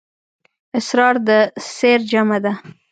اسرار د سِر جمعه ده.